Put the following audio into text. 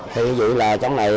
thì dự lợi trong này